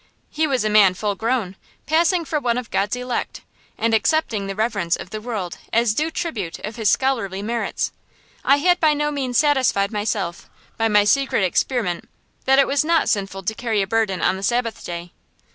He was a man full grown, passing for one of God's elect, and accepting the reverence of the world as due tribute to his scholarly merits. I had by no means satisfied myself, by my secret experiment, that it was not sinful to carry a burden on the Sabbath day.